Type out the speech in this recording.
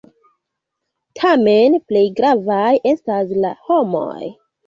Tamen plej gravaj estas la homoj.